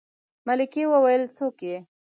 ملکې وويلې څوک يې.